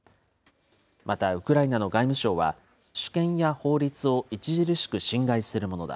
またウクライナの外務省は、主権や法律を著しく侵害するものだ。